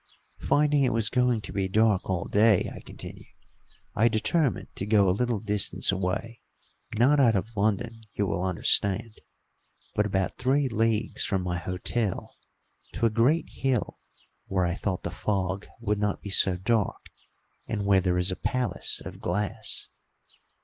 "Finding it was going to be dark all day," I continued, "I determined to go a little distance away, not out of London, you will understand, but about three leagues from my hotel to a great hill, where I thought the fog would not be so dark, and where there is a palace of glass."